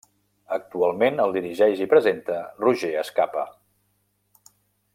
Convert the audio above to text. Actualment el dirigeix i presenta Roger Escapa.